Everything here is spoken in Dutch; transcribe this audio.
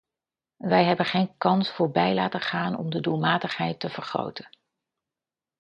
Wij hebben geen kans voorbij laten gaan om de doelmatigheid te vergroten.